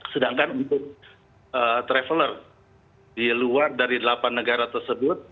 sedangkan untuk traveler di luar dari delapan negara tersebut